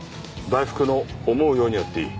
大福の思うようにやっていい。